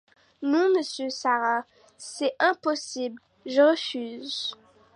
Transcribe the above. Non, monsieur Sarrat, c'est impossible ; je refuse.